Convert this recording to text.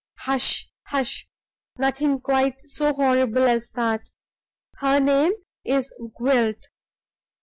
"Hush! hush! Nothing quite so horrible as that. Her name is Gwilt.